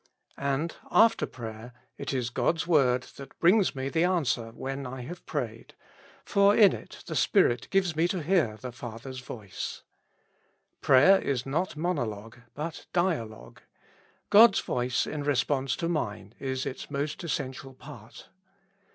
And after prayer, it is God's word that brings me the answer when I have prayed, for in it the Spirit gives me to hear the Father's voice. Prayer is not mono logue, but dialogue ; God's voice in response to mine is its most essential part.